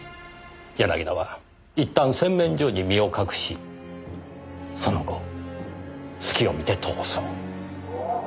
柳田は一旦洗面所に身を隠しその後隙を見て逃走。